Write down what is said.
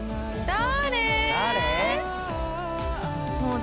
誰？